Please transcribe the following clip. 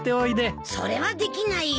それはできないよ。